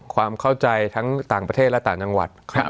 ความเข้าใจทั้งต่างประเทศและต่างจังหวัด